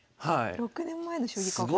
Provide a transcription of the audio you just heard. ６年前の将棋かこれは。